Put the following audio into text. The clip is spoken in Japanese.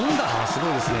すごいですね。